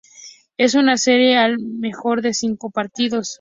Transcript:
Es en una serie al mejor de cinco partidos.